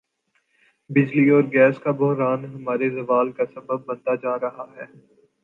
بجلی اور گیس کا بحران ہمارے زوال کا سبب بنتا جا رہا ہے